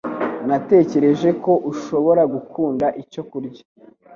Natekereje ko ushobora gukunda icyo kurya.